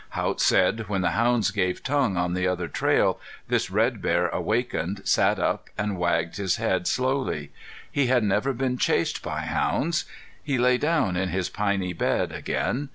Haught said when the hounds gave tongue on the other trail this red bear awakened, sat up, and wagged his head slowly. He had never been chased by hounds. He lay down in his piny bed again.